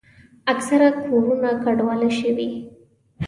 اکثره کورونه کنډواله شوي.